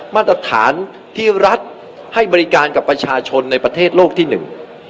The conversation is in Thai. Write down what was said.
มาตรฐานที่รัฐให้บริการกับประชาชนในประเทศโลกที่หนึ่ง